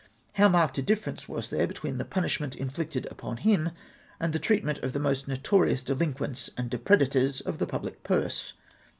How marked a difference was there between the punishment inflicted upon him and the treatment of the most notorious delinquents and depredators of the public purse.